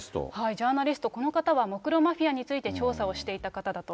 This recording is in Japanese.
ジャーナリスト、この方はモクロ・マフィアについて調査をしていた方だと。